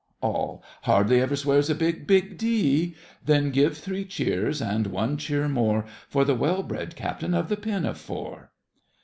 ALL. Hardly ever swears a big, big D— Then give three cheers, and one cheer more, For the well bred Captain of the Pinafore!